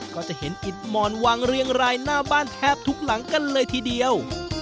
ก็จะเห็นอิดหมอนวางเรียงรายหน้าบ้านแทบทุกหลังกันเลยทีเดียว